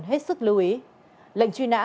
hết sức lưu ý lệnh truy nã